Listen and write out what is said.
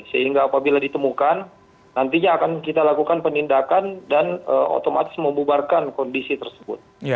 sehingga apabila ditemukan nantinya akan kita lakukan penindakan dan otomatis membubarkan kondisi tersebut